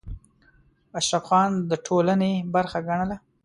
اشراف ځان د ټولنې برخه ګڼله.